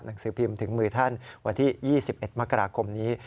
หนังสือพิมพ์ถึงมือท่านวันที่๒๑มกราคมนี้